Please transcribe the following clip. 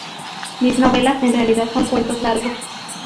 Mis novelas en realidad son cuentos largos".